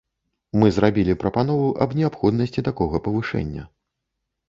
Мы зрабілі прапанову аб неабходнасці такога павышэння.